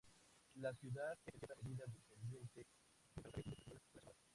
La ciudad es en cierta medida dependiente del ferrocarril y de sus actividades relacionadas.